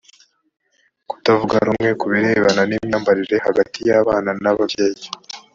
kutavuga rumwe ku birebana n imyambarire hagati y abana n ababyeyi